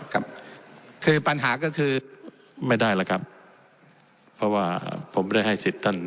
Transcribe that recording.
ครับคือปัญหาก็คือไม่ได้แล้วครับเพราะว่าผมได้ให้สิทธิ์ท่าน